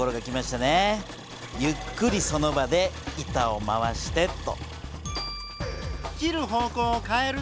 ゆっくりその場で板を回してと。